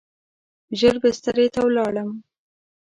ژر بسترې ته ولاړم.